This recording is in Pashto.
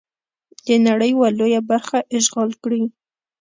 د نړۍ یوه لویه برخه اشغال کړي.